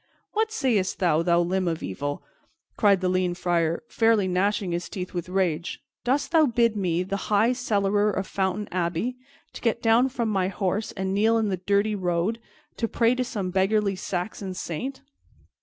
"What sayest thou, thou limb of evil!" cried the lean Friar, fairly gnashing his teeth with rage. "Doss thou bid me, the high cellarer of Fountain Abbey, to get down from my horse and kneel in the dirty road to pray to some beggarly Saxon saint?"